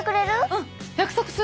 うん約束する。